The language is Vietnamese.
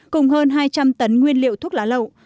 cùng hơn hai trăm linh tấn nguyên liệu thuốc lá lậu